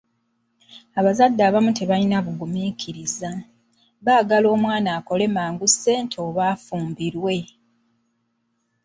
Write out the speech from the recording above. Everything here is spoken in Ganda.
Abazadde abamu tebalina bugumiikiriza, baagala omwana akole mangu ssente oba afumbirwe.